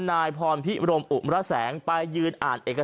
ท่านพรุ่งนี้ไม่แน่ครับ